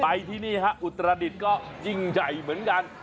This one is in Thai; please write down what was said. ที่นี่ฮะอุตรดิษฐ์ก็ยิ่งใหญ่เหมือนกัน